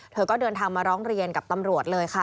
เธอก็เดินทางมาร้องเรียนกับตำรวจเลยค่ะ